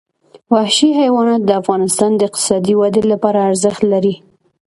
وحشي حیوانات د افغانستان د اقتصادي ودې لپاره ارزښت لري.